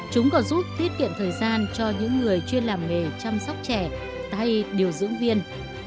chúng còn giúp tiết kiệm thời gian cho những người chuyên làm nghề chăm sóc trẻ tay điều dưỡng viên